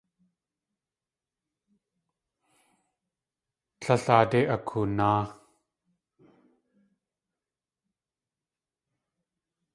Tlél aadé akoonáa.